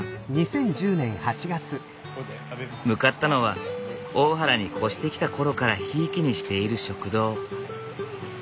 向かったのは大原に越してきた頃からひいきにしている食堂。